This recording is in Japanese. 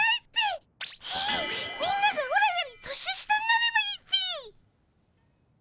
みんながオラより年下になればいいっピ！